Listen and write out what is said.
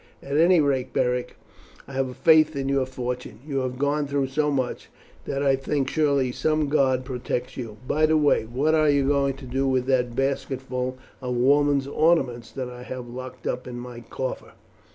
At any rate, Beric, I have a faith in your fortune. You have gone through so much, that I think surely some god protects you. By the way, what are you going to do with that basketful of women's ornaments that I have locked up in my coffer?"